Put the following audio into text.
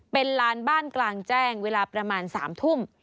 เป็นลานบ้านกลางแจ้งเวลาประมาณ๓ทุ่ม